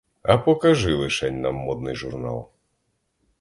А покажи лишень нам модний журнал!